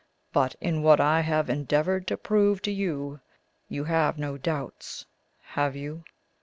But in what I have endeavoured to prove to you, you have no doubts, have you?"